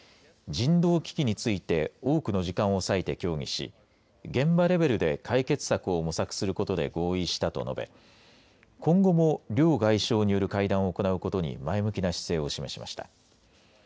人道危機について多くの時間を割いて協議し現場レベルで解決策を模索することで合意したと述べ今後も両外相による会談を行うことに前向きな姿勢を示しました。